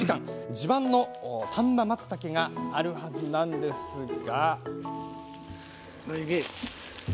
自慢の丹波松茸があるはずなんですが。